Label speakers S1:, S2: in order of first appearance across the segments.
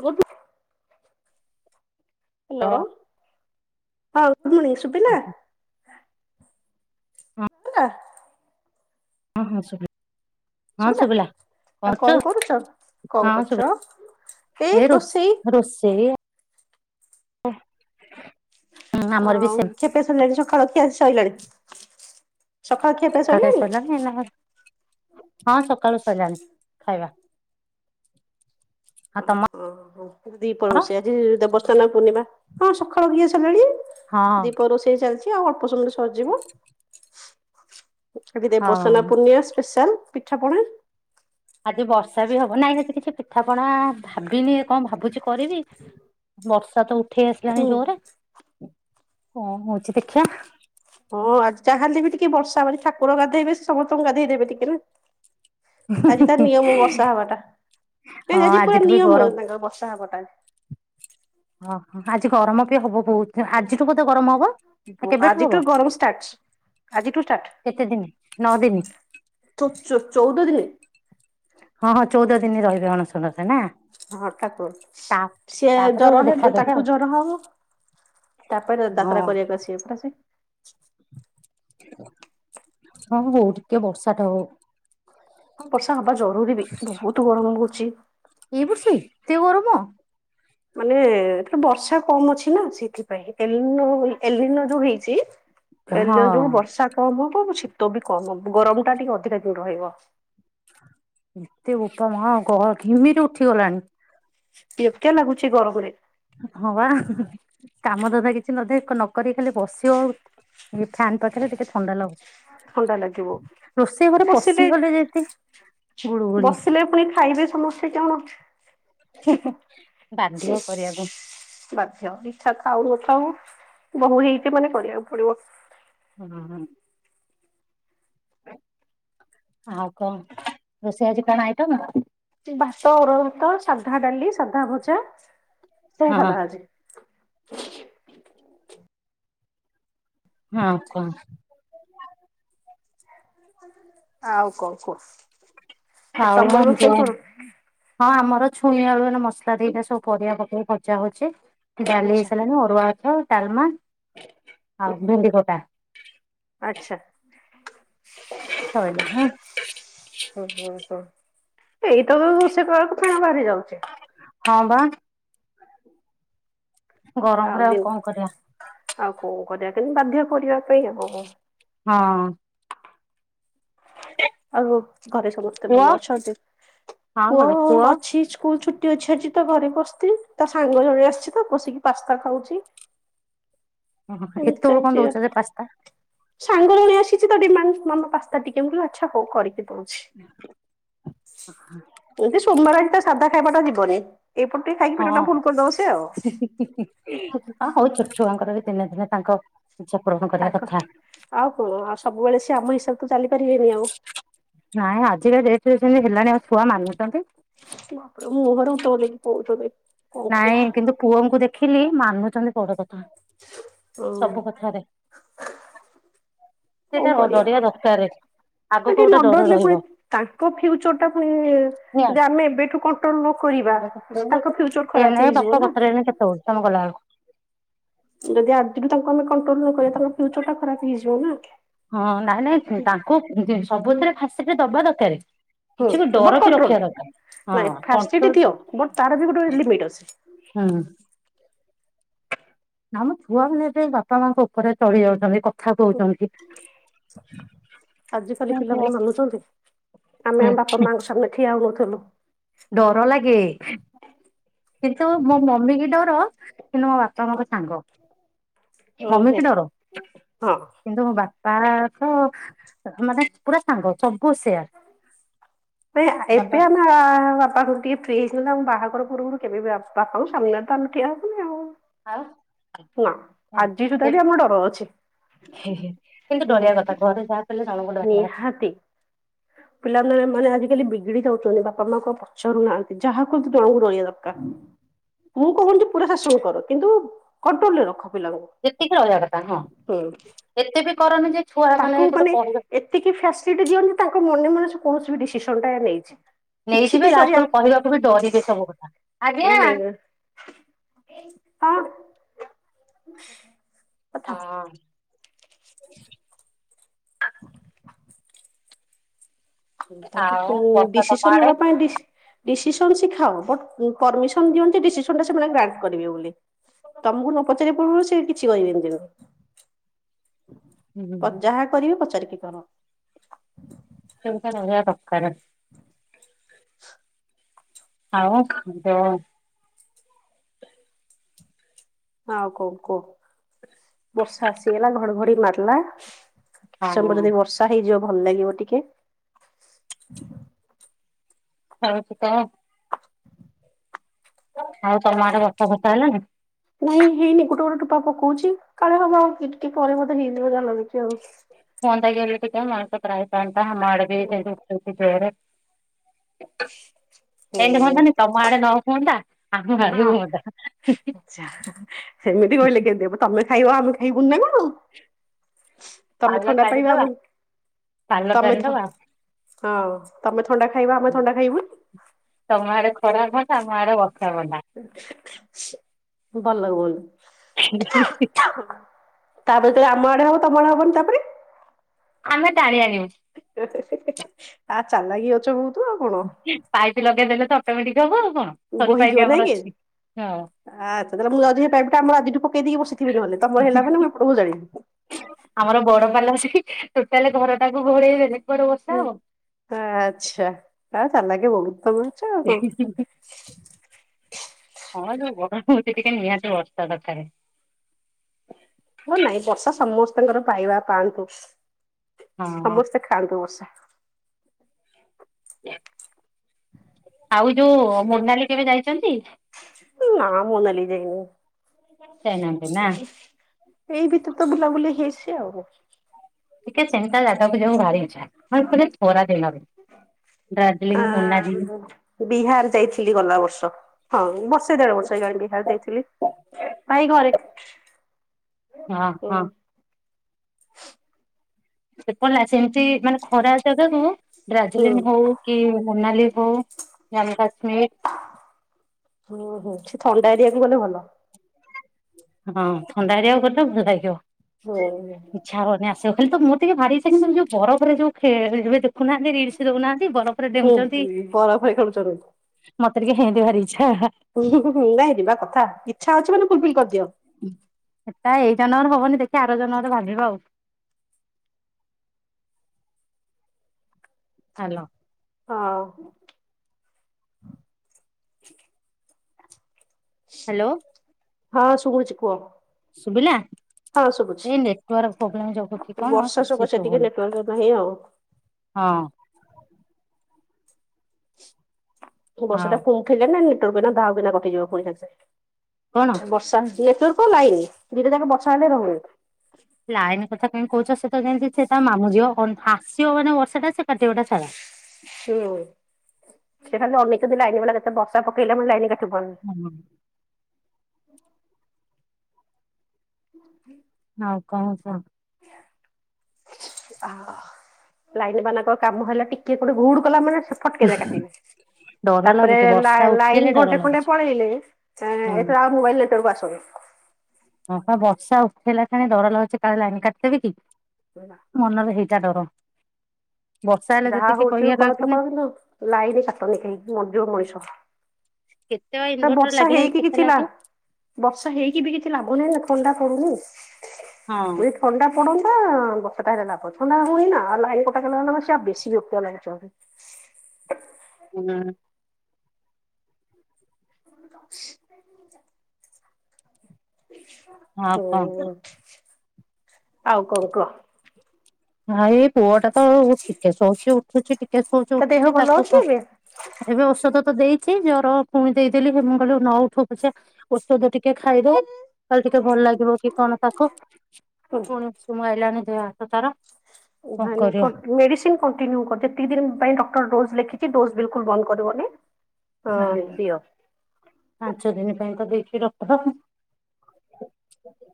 S1: କୋଉଠି?
S2: ହଁ
S1: ହାଲୋ ହଁ। ଗୁଡ଼ମନିଂ ସୁବିଲା? ହେଲା।
S2: ହଁ ହଁ ଶୁଭିଲା। ହଁ
S1: ଶୁଭିଲା
S2: ଶୁବିଲା।
S1: ଆଉ
S2: କଣ
S1: କରୁଛ?
S2: କଚୁ?
S1: କଣ
S2: ହଁ
S1: କରୁଛ?
S2: ସୁବିଲା।
S1: ଏଇ
S2: ଏ ରୋଷ୍
S1: ରୋଷେଇ
S2: -ରୋଷେଇ ଆଉ।
S1: ଆଁଉ ଖିଆ ପିଆ ସରିଲାଣି ସକାଳୁ ଖିଆ ସଇଲାଣି? ସକାଳ ଖିଆ ପିଆ
S2: ଖାଇବା
S1: ଶଇଲାଣି?
S2: ସରିଲାଣି ହଁ ସକାଳୁ ସଇଲାଣି ଖାଇବା। ଆଉ ତମର
S1: ଓହୋ ଦିପର ରୋଷେୟା ଆଜି ଦେବସ୍ଥାନ ପୂର୍ଣ୍ଣିମା ହଁ ସକାଳୁ କିଆ ସରିଲାଣି।
S2: ହଁ
S1: ଦୀପହର ରୋଷେଇ ଚାଲିଚି ଆଉ ଅଳ୍ପ ସମୟରେ ସରିଯିବ। ଆଜି ଦେବସ୍ନାନ
S2: ହଁ
S1: ପୁର୍ଣିମା ସ୍ପେଶାଲ ପିଠା ପଣା?
S2: ଆଜି ବର୍ଷା ବି ହବ ନାଇଁ ଆଜି କିଛି ପିଠାପଣା ଭାବିନି କଣ ଭାବୁଚି। କରିବି ବର୍ଷା ତ ଉଠେଇ ଆସିଲାଣି
S1: ହୁଁ।
S2: ଜୋରରେ। କଣ ହଉଚି ଦେଖିବା।
S1: ହଁ ଆଉ ଯାହା ହେଲେ ବି ଟିକେ ବର୍ଷା ମ ଠାକୁର ଗାଧେଇବେ ସେ ସମସ୍ତଙ୍କୁ ଗାଧେଇ ଦେବେ ଟିକେ ନା। ଆଜି ତାର ନିୟମ ବର୍ଷା ହବାଟା।
S2: ହଁ
S1: ନାଇଁ ଆଜି ପୁରା
S2: ଆଜିଠୁ ବି
S1: ନିୟମ
S2: ଗରମ
S1: ତାଙ୍କର ବର୍ଷା ହେବାଟା।
S2: ଓ ଆଜି ଗରମ ବି ହବ ବହୁତ ଆଜିଠୁ ବୋଧେ ଗରମ ହବ ନା
S1: ବୋ
S2: କେବେଠୁ
S1: ଆଜିଠୁ
S2: ହବ?
S1: ଗରମ ଷ୍ଟାର୍ଟ ଆଜିଠୁ ଷ୍ଟାର୍ଟ।
S2: କେତେ ଦିନ ନଅ ଦିନି।
S1: ଚ -ଚ-ଚଉଦ ଦିନି।
S2: ହଁ ହଁ ଚଉଦ ଦିନ ରହିବେ ଅଣସଣରେ ନା।
S1: ହଁ ଠାକୁର
S2: ତା
S1: ସିଏ
S2: ତାପରେ
S1: ଜର ହେବ
S2: ଦେଖାଦେବେ
S1: ତାଙ୍କୁ
S2: ଆଉ।
S1: ଜର ହବ। ତାପରେ ଯାତ୍ରା
S2: ହଁ
S1: କରିବାକୁ ଆସିବେ ପରା ସେ।
S2: ହଁ ହଉ ଟିକେ ବର୍ଷା ଟା ହଉ।
S1: ହଁ ବର୍ଷା ହବା ଜରୁରୀ ବି ବହୁତ ଗରମ ହଉଚି।
S2: ଏଇ ବର୍ଷ ଏତେ ଗରମ।
S1: ମାନେ ଏ ବର୍ଷା କମ ଅଛି ନା ସେଥିପାଇଁ ଏ ଏଲିନୋ ଯୋଉ ହେଇଚି। ଏଲିନୋ
S2: ହଁ
S1: ଯୋଗୁଁ ବର୍ଷା କମ। ଅ ଶୀତ ବି କମ ଗରମ ଟା ଟିକେ ଅଧିକା ଦ ରହିବ।
S2: ଏତେ ବୋପା ମା ଗହ ଘିମିରି ଉଠିଗଲାଣି।
S1: କ୍ତିଆ ଲାଗୁଚି ଗରମରେ।
S2: ଏ ହଁ ବା। କାମ ଧନ୍ଦା କିଛି ନଧ ନକରି ଖାଲି ବସିବ ଆଉ ଇଏ ଫ୍ୟନ୍ ପାଖରେ ଟିକେ ଥଣ୍ଡା ଲାଗୁଚି।
S1: ଥଣ୍ଡା ଲାଗିବ ମୁସିଲି
S2: ପଶିଗଲେ ଯେମିତି ଗୁଳୁଗୁଳି
S1: ବସିଲେ ପୁଣି ଖାଇବେ ସମସ୍ତେ କଣ?
S2: ବାଧ୍ୟ
S1: ସେ
S2: କରିବାକୁ।
S1: ବାଧ୍ୟ ଇଛା ଥାଉ ନଥାଉ। ବୋହୂ ହେଇଚି ମାନେ କରିବାକୁ ପଡିବ।
S2: ହଁ ଆଉ କଣ ରୋଷେଇ ଆଜି କଣ ଆଇଟମ?
S1: ଭାତ ଅରୁଆ ଭାତ ସାଧା ଡ଼ାଲି। ସାଧା ଭଜା ସବୁ
S2: ହଁ
S1: ସାଧା ଆଜି।
S2: ହଁ କୁହ?
S1: ଆଉ କଣ କୁହ?
S2: ଥାଉ
S1: ତମର
S2: ଏମିତି
S1: ରୋଷେଇ
S2: ହଉ
S1: କଣ
S2: ହଁ ଆମ ର ଛୁଇଁ ଆଳୁଆ ମସଲା ଦେଇ ସବୁ ପରିବା ପକେଇ ଭଜା ହଉଚି, ଡାଲି
S1: ଆଚ୍ଛା
S2: ହେଇସାରାଣି ଅରୁଆ ଭାତ ଡାଲମା ଆଉ ଭେଣ୍ଡି ଖଟା।
S1: ଆଛା
S2: ସଇଲା।
S1: ହଉ ହୋଉ। ଏଇତକ ରୋଷେଇ କଲା ବେଳକୁ ତ ଣ ବାହାରି ଯାଉଚି।
S2: ହଁ ବା।
S1: ଆଉ
S2: ଗରମରେ
S1: ଦିଅ
S2: କଣ କରିବା
S1: ଆଉ କଣ କରିବା କିନ୍ତ ବାଧ୍ୟ କରିବା ପାଇଁ।
S2: ହଁ।
S1: ଆଉ ଘରେ ସମସ୍ତେ
S2: ପୁଅ
S1: ଭଲ ଅଛନ୍ତି?
S2: ହଁ
S1: ପୁଅ
S2: ଭଲ
S1: ଅଛି ସ୍କୁଲ ଛୁ ଛୁଟି ଅଛି ଆଜି ତ ଘରେ ବସିଚି ତା ସାଙ୍ଗ ଜଣେ ଆସିଚି ତ ବସିକି ପାସ୍ତା ଖାଉଚି।
S2: ଓହୋ
S1: ଏମିତି
S2: ଏତେ ବଳକୁ କଣ
S1: ଚାଲିଚି ଆଉ।
S2: ଦଉଚ ଯେ ପାସ୍ତା?
S1: ସାଙ୍ଗ ଜଣେ ଆସିଚି ତ ଡିମାଣ୍ଡ ମମି ପାସ୍ତା ଟିକେ ଆଚ୍ଛା ହୋଉ କରିକି ଦଉଚି। ଏମତି ସୋମବାର ହରୀକା ତ ସାଧା ଖାଇବା ଟା ଯିବନି। ଏଇପଟୁ ଟିକେ ଖାଇକି
S2: ହଁ ଅ
S1: ପେଟଟା ଫୁଲ କରିଦବ ସେ ଆଉ।
S2: ହଉ ଛୋଟ ଛୁଆଙ୍କର ବି ଦିନେ ଦିନେ ତାଙ୍କ ଇଚ୍ଛା ପୂରଣ କରିବା
S1: ତାଙ୍କ
S2: କଥା
S1: ଆଉ କଣ ଆଉ ସବୁବେଳେ ସେ ଆମ ହିସାବରେ ତ ଚାଲିପାରିବେନି ଆଉ।
S2: ନାଇଁ ଆଜିକା ଡେଟ ଯେମତି ହେଲାଣି ଆଉ ଛୁଆ ମାନୁ
S1: ବାପ୍ ରେ ମୁଁହରେ ଉତ୍ତର ଦେଇକି ପଳାଉଛନ୍ତି।
S2: ନାଇଁ କିନ୍ତୁ ପୁଅଙ୍କୁ ଦେଖିଲି ମାନୁଛନ୍ତି ବଡ କଥା।
S1: ହୁଁ
S2: ସବୁ କଥାରେ ସେଇଟା ଡରିବା ଦରକାର। ଆଗକୁ
S1: ସେମାନେ ଟିକେ
S2: ଗୋଟେ ଡର
S1: ନଡରିଲେ ପୁଣି
S2: ରହିବ
S1: ତାଙ୍କ ଫ୍ୟୁଚର ଟା ପୁଣି
S2: ନିହାତି।
S1: ଯଦି ଆମେ ଏବେଠୁ କଣ୍ଟ୍ରୋଲ ନ କରୁ କରିବା ତାଙ୍କ ଫ୍ୟୁଚର ଖରାପ ହେଇଯିବ ନା।
S2: [unintelligible] ତମେ ଗଲାବେଳକୁ।
S1: ଯଦି ଆଜିଠୁ ତାଙ୍କୁ ଆମେ କଣ୍ଟ୍ରୋଲ ନ କରିବା ତାଙ୍କର ଫ୍ୟୁଚର ଟା ଖରାପ ହେଇଯିବ ନା।
S2: ହଁ ନାଇଁ ନାଇଁ ତାଙ୍କୁ ସବୁଥିରେ ଫାସିଲିଟ ଦବା ଦରକାର।
S1: ହୁଁ
S2: କିଛି ବି
S1: ବଟ୍
S2: ଡର ବି
S1: କଣ୍ଟ୍ରୋଲ
S2: ରଖିବା ଦରକାର।
S1: ନାଇଁ
S2: ହଁ
S1: ଫାସିଲିଟି
S2: କଣ୍ଟ୍ରୋଲ
S1: ଦିଅ ବଟ୍ ତାର ବି ଗୋଟେ
S2: ସବୁ
S1: ଲିମିଟ୍ ଅଛି।
S2: ହୁଁ। ନା ମ ଛୁଆ ମାନେ ଏବେ ବାପା ମାଙ୍କ ଉପରେ ଚଢି ଯାଉଛନ୍ତି। କ
S1: [inaudible] ଆଜିକାଲି ପିଲାମାନେ କିଏ ମାନୁଛନ୍ତି। ଆମେ
S2: ହୁଁ
S1: ଆମ ବାପା ମାଆଙ୍କ ସାମ୍ନା ରେ ଠିଆ ହୋଉନଥିଲୁ।
S2: ଡର ଲାଗେ। କିନ୍ତୁ ମୋ ମମି କି ଡର। କିନ୍ତୁ ମୋ ବାପା ମୋର ସାଙ୍ଗ।
S1: ହଁ
S2: ମମି କି
S1: ନାଇଁ
S2: ଡର। କିନ୍ତୁ ମୁଁ ବା ପ୍ରାୟ ତ ମାନେ ପୁରା ସାଙ୍ଗ। ସବୁ ସେୟାର
S1: ନାଇଁ
S2: ବାପା
S1: ଏବେ ଆମେ ବାପା ଟିକେ ଫ୍ରି ହେଇଥିଲା ମୁଁ ବାହାଘର ପୂର୍ବରୁ କେବେ ବାପାଙ୍କ ସାମ୍ନା ରେ ତ ଆମେ ଠିଆ ହବୁନି ଆଉ।
S2: ଆଉ
S1: ନା ଆଜିି ସୁଦ୍ଧା ବି ଆମର ଡର ଅଛି।
S2: ହେ ହେ। କିନ୍ତୁ
S1: ହୁଁ
S2: ଡରିବା କଥା ଘରେ ଯାହା କୁ ହେଲେ
S1: ନିହାତି। ପିଲାମାନେ ମାନେ ଆଜିକାଲି ବି ବିିଗିଡ଼ି ଯାଉଛନ୍ତି ବାପା ମାଆଙ୍କ ପଚାରୁ ନାହାନ୍ତି। ଯାହାକୁ ହେଲେ ତ ଜଣକୁ ଡରିବା [unintelligible] ମୁଁ କହୁନି ପୁରା ଶାସନ କର, କିନ୍ତୁ କଣ୍ଟ୍ରୋଲ ରେ ରଖ। ପିଲାଙ୍କୁ
S2: ଯେତିକି ରହିବା କଥା ହଁ।
S1: ହୁଁ।
S2: ଏତେ ବି କରନି ଯେ ଛୁଆ ମାନେ ଗୋଟେ କହିବା
S1: ଏତିକି ଫ୍ୟାସିଲିଟି ଦିଅନି ଯେ ତାଙ୍କ ମନେ ମନେ କୌଣସି ବି ଡିସିସନ ଟା ନେଇଯି
S2: ନେଇଯିବେ ଲାଷ୍ଟ ବେଳ କୁ କହିବାକୁ ବି ଡରିବେ ସବୁ କଥା। ଆଜ୍ଞା
S1: [unintelligible] ହଁ। [inaudible] କଥା
S2: ହଁ। [inaudible]
S1: ତାଙ୍କୁ
S2: ଆଉ
S1: କୋଉ
S2: ବର୍ଷା ତମ
S1: ଡିସିସନ
S2: ଆଡେ?
S1: ନବା ପାଇଁ ଡିସି ଡିସିସନ ଶିଖାଅ। ବଟ ପରମିସନ ଦିଅନ୍ତି ଡିସିସନ ଟା ସେମାନେ ଗ୍ରାଣ୍ଟ କରିବେ ବୋଲି। ତମକୁ ନ ପଚାରିବା ପୂର୍ବରୁ ସେ କିଛି କରିବେନି ଯେମିତି। ଯାହା କରିବେ ପଚାରିକି କର।
S2: ସେମିତି ଆ ରହିବ ଦରକାର୍। ଆଉ ଯୋ
S1: ଆଉ କଣ କୁହ। ବର୍ଷା ଆସିଗଲା ଘଡଘଡି ମାରିଲା। କିଛି
S2: ହଁ
S1: ସମୟ ପରେ ଯଦି ବର୍ଷା ହେଇଯିବ ଭଲ ଲାଗିବ ଟିକେ।
S2: ହଉଚି ତ ଆଉ ତମ ଆଡେ ବର୍ଷା ଫର୍ଷା ହେଲାଣି?
S1: ନାଇଁ ହେଇନି। ଗୋଟେ ଗୋଟେ ଟୋପା ପକଉଛି କାଳେ ହବ ଆଉ ଟିକେ ଟିକେ ପରେ ବୋଧେ ହେଇଯିବ ଯାହା ଲାଗୁଚି ଆଉ।
S2: ହୁଅନ୍ତା ହେଲେ ଟିକେ ମଣିଷ ତ୍ରାହି ପାନ୍ତା। ଆମଆଡେ ଟିକେ ସେମିତି ଉଠଉଛି ଜୋରେ। ଏମିତି
S1: ହୁଁ
S2: ହୁଅନ୍ତାନି ତମ ଆଡେ ନ ହୁଅନ୍ତା ଆମ ଆଡେ
S1: ହଁ।
S2: ହୁଅନ୍ତା
S1: ଯା ସେମିତି କହିଲେ କେମିତି ହବ। ତମେ ଖାଇବ ଆମେ ଖାଇବୁନି ନା କଣ ତମେ
S2: ପାଲ
S1: ଥଣ୍ଡା ପାଇବ
S2: ଟାଣିଦବା
S1: ଆମେ
S2: ପାଲ
S1: ତମେ ଥ
S2: ଟାଣିଦବା
S1: ହଁ ତମେ ଥଣ୍ଡା ଖାଇବ ଆମେ ଥଣ୍ଡା ଖାଇବୁନି।
S2: ତମ ଆଡେ ଖରା ହନ୍ତା ଆମ ଆଡେ ବର୍ଷା ହୁଅନ୍ତା
S1: ଭଲ ଲାଗୁନ
S2: [unintelligible]
S1: ତାପରେ ଯେତେବେଳେ ଆମ ଆଡେ ହବ ତମ ଆଡେ ହବନି ତାପରେ
S2: ଆମେ ଟାଣି ଆଣିବୁ।
S1: ଆ ଚାଲାଖି ଅଛ ଆଉ କଣ
S2: ପାଇପ ଲଗେଇଦେଲେ ତ ଅଟୋମେଟିକ ହବ ଆଉ। କଣ ସରୁ
S1: ବୋହି
S2: ପାଇପ୍
S1: ଯିବ
S2: ଆମର
S1: ନାଇଁ କି
S2: ଅଛି। ହଁ
S1: ଆଛା ତାହେଲେ ମୁଁ ଯାଉଚି ହେଇ ପାଇପିଟା କାମ ଆଜିଠୁ କେ ଦେଇକି ବସିଥିବି ନହେଲେ ତମର ହେଲା ମନେମୁ ଏପଟକୁ ଜାଳିବି।
S2: ଆମର ବଡ ପାାଲ ଅଛି ଟୋଟାଲି ଘରଟାକୁ ଗୋଡେଇ ଦେଲେ କୁଆଡେ ବର୍ଷା
S1: ହୁଁ
S2: ହବ।
S1: ଆଚ୍ଛା ତମେ ଚାଲାଖେ ବହୁତୁ। ତମେଅଛ ଆଉ କଣ।
S2: ହଁ ଯୋଉ ଗରମ ହଉଛି ଟିକେ ନିହାତି ବର୍ଷା ଦରକାରେ।
S1: ହଁ ନାଇଁ ବର୍ଷା ସମସ୍ତଙ୍କର ପାଇବା ପାଆନ୍ତୁ
S2: ହଁ
S1: ସମସ୍ତେ ଖାଆନ୍ତୁ ବର୍ଷା।
S2: ହ ଆଉ ଯୋଉ ମୋର୍ନାଲି କେବେ ଯାଇଛନ୍ତି?
S1: ନା ମୋନାଲି ଯାଇନି।
S2: ଯାଇନାହାନ୍ତି ନା
S1: ଏଇ ଭିତରେ ତ ବୁଲା ବୁଲି ହେଇଚି ଆଉ।
S2: ଟିକେ ସେମିତି ଅଜଗାକୁ ଯିବାକୁ ଭାରିଇଛା ନହେଲେ ପୁଣି ଖରା ଦିନରେ। ଦାର୍ଜିଲିଂ
S1: ଆ
S2: ମୁନାଲି ହଁ
S1: ବିହାର ଯାଇଥିଲି ଗଲା ବର୍ଷ। ହଁ ବର୍ଷେଏ ଦେଡ ବର୍ଷେ ହୋଇଗଲାଣି ବିହାର ଜାଇଥିଲି ଭାଇ ଘରେ।
S2: ହଁ
S1: ହୁଁ
S2: ହଁ। ସେ ପଲା ସେମିତି ମାନେ ଖରା ଜାଗାକୁ
S1: ହୁଁ
S2: ଦାର୍ଜିଲିଂ ହଉ କି ମୋନାଲି ହଉ ଯାମ୍ମୁ କାଶ୍ମୀରି
S1: ହୁଁ ହୁଁ ସେ ଥଣ୍ଡା ଏରିଆକୁ ଗଲେ ଭଲ।
S2: ହଁ ଥଣ୍ଡା ଏରିଆକୁ ଗଲେ ଭଲ ଲାଗିବ।
S1: ହଉ।
S2: ସେ ଖାଲିତ ମୋର ଟିକେ ଭାରିଇଛା କିନ୍ତୁ ଯଉ ବରଫ ରେ ଖେଳ ଯୋଉ ଦେଖୁ ନାହାଁନ୍ତି ରିଲିସୀ ଦେଉନାନ୍ତି। ବଲଫରେ
S1: ହୁଁ
S2: ଡେଉଁଛନ୍ତି
S1: ବରଫରେ ଖେଳୁଛନ୍ତି।
S2: ମତେ ଟିକେ ହେନ୍ତି ଭାରି ଇଚ୍ଛା
S1: ହୁଁ ହୁଁ ନାଇଁ ଯିବା କଥା ଇଛା ଅଛି ମାନେ ଫୁଲଫିଲ୍ କରିଦିଅ।
S2: ସେଟା ଏଇ ଜନ୍ମରେ ହବନି ଦେଖେବ ଆର ଜନ୍ମରେ ଭାବିବ ଆଉ। ଆଲୋ।
S1: ହ ହୁ।
S2: ହାଲୋ।
S1: ହଁ ଶୁଭୂଛି କୁହ?
S2: ଶୁଭିଲା?
S1: ହଁ ଶୁଭୁଛି।
S2: ଏଇ ନେଟୱାର୍କ ପ୍ରୋବ୍ଲେମ ଯଗୁ କି କଣ
S1: ବର୍ଷା
S2: କିଛି
S1: ସକାଶେ ଟିକେ
S2: ଶୁବୁନି।
S1: ନେଟୱାର୍କ ନାହିଁ ଆଉ।
S2: ହଁ। ହଁ
S1: ବର୍ଷାଟା ପୁଣିଉଠେଲେ ନା ନେଟୁଆର୍କ ଦାହା କଟିଯିବ ଫୁଣି ସାଗେ
S2: କଣ
S1: ସାଗେ। ବର୍ଷା ନେଟୱର୍କ, ଲାଇନ୍ ଦିଇଟା ଯାଙ୍କ ବର୍ଷା ହେଲେ ରୋହୁନି।
S2: ଲାଇନ କଥା କାଇଁ କୋହୁଚ ସିଏତ ଯେମିତି ସେ ତା ମାମୁ ଝିଅ ଅ ଆସିବ ମାନେ ବର୍ଷାଟା ସେ କାଟିବାଟା ସାରା।
S1: ହୁଁ ସିଏ ଖାଲି ଅନେଚନ୍ତି ଲାଇନ ବାଲା କେତେ ବର୍ଷା ପକେଇଲା ମାନେ ଲାଇନ କା
S2: [unintelligible]
S1: [inaudible]
S2: ଆଉ କଣ ସ
S1: ଆହ ଲାଇନ ମାନଙ୍କ କାମ ହେଲା ଟିକେ କୋଉଠି ଘୁଡ କଲା ମାନେ ଫଟ କିନା କାଟିବେ।
S2: ଡର
S1: ତାପରେ
S2: ଲାଗୁଛି
S1: ଲା
S2: ବର୍ଷା ଉଠେଇଲେ
S1: ଲାଇନ
S2: ଡର
S1: ଘଣ୍ଟେ ଖଣ୍ଟେ
S2: ଲାଗୁଛି
S1: ପଳେଇଲେ ଏ
S2: ହୁଁ
S1: ଏଥର ଆଉ ମୋବାଇଲ ଲେଟରକୁ ଆସୁନି। [inaudible]
S2: ହଁପା ବର୍ଷା ଉଠେଇଲା ସେଣି ଡର ଲାଗୁଛି କାଳେ ଲାଇନ କାଟିଦେବେ କି ମନରେ ହେଇଟା, ଡର। ବର୍ଷା ହେଲେ
S1: ଯାହା
S2: ଯେତିକି କହି
S1: ହଉଛି
S2: ହେଲା
S1: କର ତୁ
S2: ଖୁନି
S1: କରନ୍ତୁ। ଲାଇନ କାଟନି କେହି। ମରିଯିବ ମଣିଷ।
S2: କେତେ ବା
S1: ତ
S2: ଇନଭଟର
S1: ବର୍ଷା
S2: ଲାଗିଲା
S1: ହେଇକି
S2: କେତେ
S1: କିଛି ଲା।
S2: ଲାଗେ
S1: ବର୍ଷା ହେଇକି ବି କିଛି ଲାଭ ନାହିଁ ନା। ଥଣ୍ଡା ହେଲେ
S2: ହଁ
S1: [unintelligible] ଏ ଥଣ୍ଡା ପଡନ୍ତା। ବର୍ଷା ଟା ହେଲା ଲାଭ। ଥଣ୍ଡା ହୁଏ ନା, ଆଉ ଲାଇନ କଟାଉ ସ ବେଶୀ ବିରକ୍ତି ଲାଗିଛନ୍ତି।
S2: [inaudible] ଉ ନା
S1: [inaudible]
S2: ଆଉ
S1: ହ।
S2: କଣ
S1: ଆଉ କଅ କ।
S2: ନା। ଏଇ ପୁଅ ଟା ତ। ଟିକେ ଶଉଛି ଉଠୁଛି। ଟିକେ ଟିକେ ଶୋଉଚି
S1: ତା ଦେହ
S2: ଉଠୁଛି।
S1: ଭଲ
S2: ତାକୁ
S1: ଅଛି
S2: କଣ
S1: ଏବେ?
S2: ଏବେ ଔଷଧ ଦେଇଛି। ଜର ପୁଣି ଦେଇଦେଲି। ମୁ କହିଲି ନ ଉଠୁପଛେ, ଔଷଧ ଟିକେ ଖାଇଦଉ। କହଲେ ଟିକେ ଭଲ ଲାଗିବ, କି କଣ ତାକୁ। ପୁଣି ଉସୁମୁ ଆଇଲାଣି ଦେହ ହାତ ତାର। କଣ
S1: ନାଇଁ ନାଇଁ
S2: କରିବ
S1: କଣ। ମେଡିସିନ କଣ୍ଟିନ୍ୟୁ କର। ଯେତିିକି ଦିନ ପାଇଁ ଡକ୍ଟର ଡୋଜ ଲେଖି ସେ ଡୋଜ ବିଲକୁଲ ବନ୍ଦ କରିବନି।
S2: ହୁଁ।
S1: ହଁ ଦିଅ
S2: ପାଞ୍ଚ ଦିନ ପାଇଁ ତ ଦେଇଛି ଡକ୍ଟର।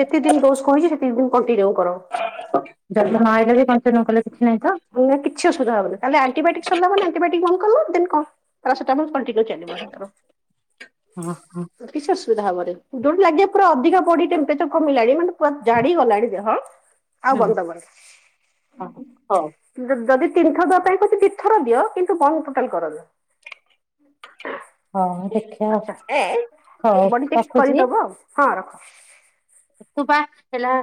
S1: ଯେତିକି ଦିନ ଡୋଜ କହିଛି, ସେତିିକି ଦିନ କଣ୍ଟିନ୍ୟୁ କର।
S2: ନାଇଲେବି କଣ
S1: ନାଇ। କିଛି ଅଶୁବିଧା ହବନି। କାଲି ଆଣ୍ଟି ବାୟେଟିକ୍ ସରିଲା ମାନେ ଆଣ୍ଟିବାୟୋଟିକ୍ [unintelligible] କଣ୍ଟୁଇନୁ ଲୋ ଚାଲିବ ସେଙ୍କର।
S2: ହଁ ହଁ
S1: କିଛି ଅସୁବିଧା ହବନି। ଯଉଠି ଲାଗିବା ପୁରା ଅଧିକ, ବଡି ଟେମ୍ପରେଚର କମିଲାଣି। ମାନେ ପୁରା ଜାଡି ଗଲାଣି, ଦେହ। ଆଉ ବନ୍ଦ ଦବନି।
S2: ହ ହଉ।
S1: ଯଦି ତିନିଥର ଦବା ପାଇଁ କହୁଛି। ଦିଥର ଦିଅ। କିନ୍ତୁ ବନ୍ଦ ଟୋଟାଲ କରନି।
S2: ହଁ।
S1: ଆଚ୍ଛା
S2: ଦେଖିବା ହଉ
S1: ବଡି ଚେକ୍
S2: ରଖୁଛି।
S1: କରିଦବ ଆଉ ହଁ ରଖ।
S2: ତୁ ପା, ହେଲା।